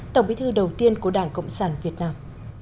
tổng bí thư đầu tiên của đảng cộng sản việt nam